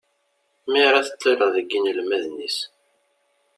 Mi ara teṭṭileḍ deg yinelmaden-is.